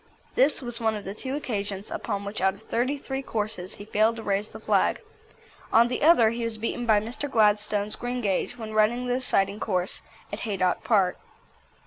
This was one of the two occasions upon which out of thirty three courses he failed to raise the flag. On the other he was beaten by Mr. Gladstone's Greengage, when running the deciding course at Haydock Park.